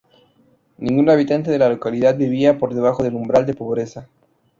Ningún habitante de la localidad vivía por debajo del umbral de pobreza.